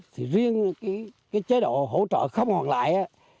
thì riêng chế độ hỗ trợ không còn lại